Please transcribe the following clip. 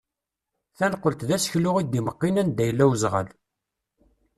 Tanqelt d aseklu i d-imeqqin anda yella uzɣal.